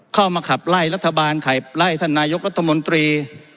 ขับไล่รัฐบาลขับไล่ท่านนายกรัฐมนตรี